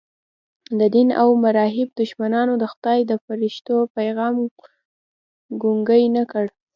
د دین او محراب دښمنانو د خدای د فرښتو پیغام ګونګی نه کړ.